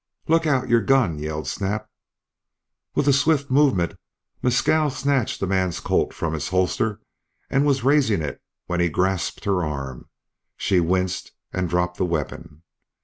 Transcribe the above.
"Look out! Your gun!" yelled Snap. With a swift movement Mescal snatched the man's Colt from its holster and was raising it when he grasped her arm. She winced and dropped the weapon.